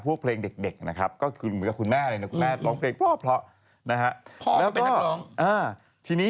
ตรวจลงไปด้วย